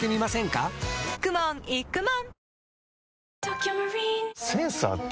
かくもんいくもん